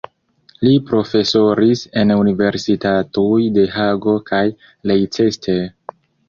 Li profesoris en universitatoj de Hago kaj Leicester.